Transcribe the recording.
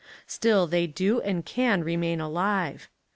Still they do and can re main alive.